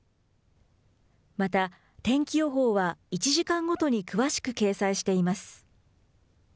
また、天気予報は１時間ごとに詳しく掲載しています。